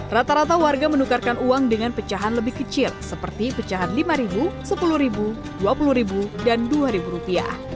rata rata warga menukarkan uang dengan pecahan lebih kecil seperti pecahan rp lima rp sepuluh rp dua puluh dan rp dua